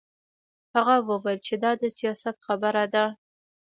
هغه وویل چې دا د سیاست خبره ده